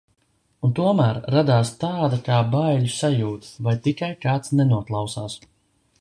Un tomēr, radās tāda kā baiļu sajūta, vai tikai kāds nenoklausās.